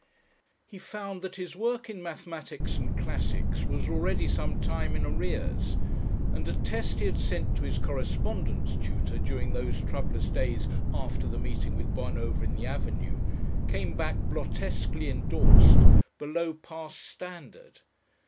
He found that his work in mathematics and classics was already some time in arrears, and a "test" he had sent to his correspondence Tutor during those troublous days after the meeting with Bonover in the Avenue, came back blottesquely indorsed: "Below Pass Standard."